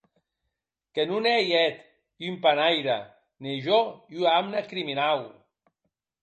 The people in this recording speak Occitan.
Que non ei, eth, un panaire, ne jo ua amna criminau.